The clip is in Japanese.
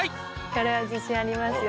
これは自信ありますよ